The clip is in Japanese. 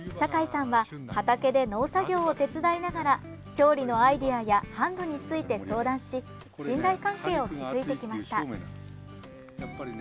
堺さんは畑で農作業を手伝いながら調理のアイディアや販路について相談し信頼関係を築いてきました。